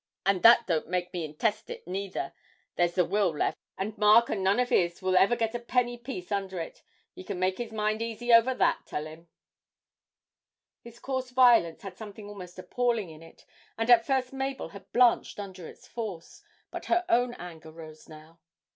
And that don't make me intestit neither; there's the will left, and Mark and none of his will ever get a penny piece under it; he can make his mind easy over that, tell him.' His coarse violence had something almost appalling in it, and at first Mabel had blanched under its force, but her own anger rose now.